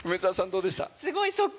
どうでした？